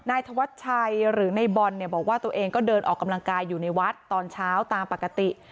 ธวัดชัยหรือในบอลเนี่ยบอกว่าตัวเองก็เดินออกกำลังกายอยู่ในวัดตอนเช้าตามปกติ